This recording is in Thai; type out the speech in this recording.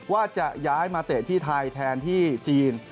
ว่าจะย้ายมาเตะที่ไทยแทนที่จีน